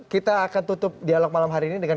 kita akan tutup dialog malam hari ini dengan